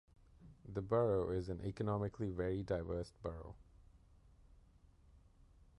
The borough is an economically very diverse borough.